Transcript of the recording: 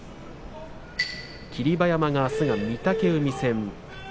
霧馬山、あすは御嶽海戦。